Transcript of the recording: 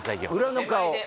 裏の顔